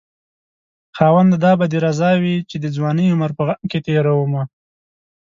خاونده دا به دې رضا وي چې د ځوانۍ عمر په غم کې تېرومه